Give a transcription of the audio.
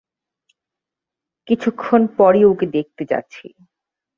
কিছুক্ষণ পরই ওকে দেখতে যাচ্ছি।